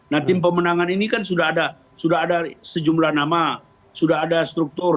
nah tim pemenangan ini kan sudah ada sejumlah nama sudah ada struktur